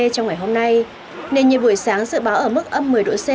trong ngày hôm nay nền nhiệt buổi sáng dự báo ở mức âm một mươi độ c